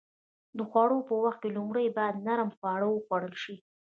د خوړو په وخت کې لومړی باید نرم خواړه وخوړل شي.